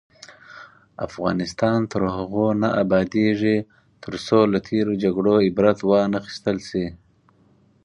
افغانستان تر هغو نه ابادیږي، ترڅو له تیرو جګړو عبرت وانخیستل شي.